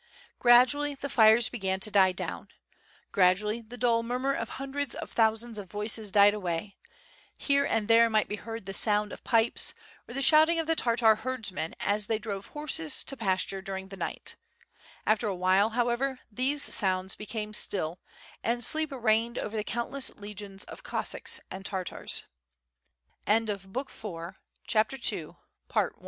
Gradually the fires began to die down. Gradually the dull murmur of hundreds of thousands of voices died away; here and there might be heard the sound of pipes, or the shouting of the Tartar herdsmen as they drove horses to pasture during the night; after a while however these sounds became still, and sleep reigned over the c